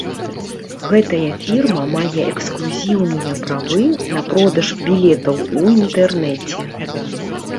Гэтая фірма мае эксклюзіўныя правы на продаж білетаў у інтэрнэце.